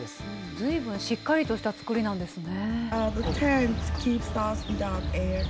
ずいぶんしっかりとした作りなんですね。